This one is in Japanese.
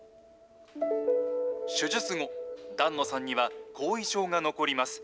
手術後、檀野さんには後遺症が残ります。